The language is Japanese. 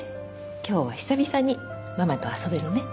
今日は久々にママと遊べるね。